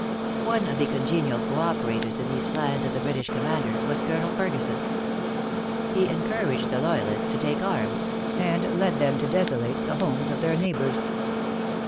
One of the congenial co operators in these plans of the British commander, was Colonel Ferguson. He encouraged the loyalists to take arms, and led them to desolate the homes of their neighbors.